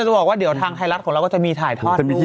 ไม่ก็จะบอกว่าเดี๋ยวทางท้ายรักของเราก็จะมีถ่ายธาตุ